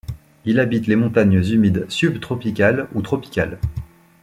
Il habite les montagnes humides subtropicales ou tropicales.